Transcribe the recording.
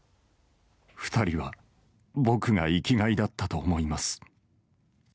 ２人は僕が生きがいだったと思います。